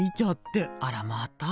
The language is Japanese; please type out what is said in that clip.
あらまた？